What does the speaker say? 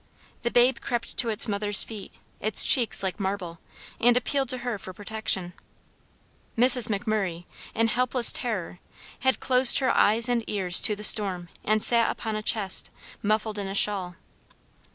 The babe crept to its mother's feet, its cheeks like marble, and appealed to her for protection. Mrs. McMurray, in helpless terror, had closed her eyes and ears to the storm, and sat upon a chest, muffled in a shawl.